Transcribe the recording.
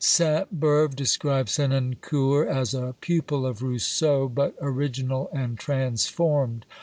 Sainte Beuve describes Senancour as a pupil of Rousseau, but original and transformed.